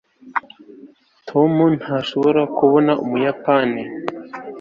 tom ntashobora kubona ubuyapani